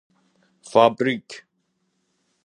فابریک